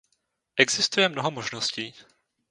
Existuje mnoho možností.